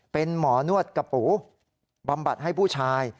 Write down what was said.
เป็นหมอนวดกระปูบำบัดให้ผู้ชาย